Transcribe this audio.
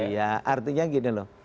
iya artinya gini loh